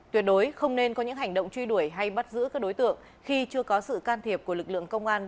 tuyệt đối không nên có những hành động truy đuổi hay bắt giữ các đối tượng khi chưa có sự can thiệp của lực lượng công an